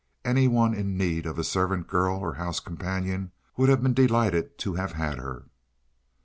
Any one in need of a servant girl or house companion would have been delighted to have had her.